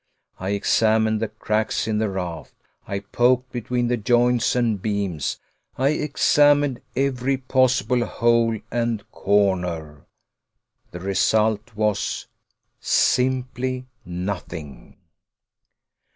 I examined the cracks in the raft; I poked between the joints and beams; I examined every possible hole and corner. The result was simply nothing!